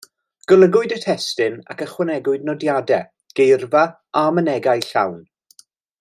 Golygwyd y testun ac ychwanegwyd nodiadau, geirfa a mynegai llawn.